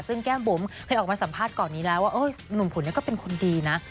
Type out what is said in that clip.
ซึ่งแก้มบุ๋มเคยออกมาสัมภาษณ์ก่อนนี้แล้วว่าหนุ่มขุนก็เป็นคนดีนะ